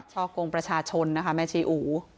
อกกงประชาชนนะคะแม่ชีอู